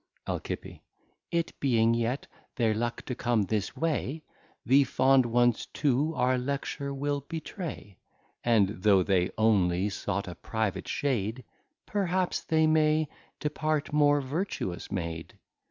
Alci. It being yet their luck to come this way, The Fond Ones to our Lecture we'll betray: And though they only sought a private shade, Perhaps they may depart more Vertuous made.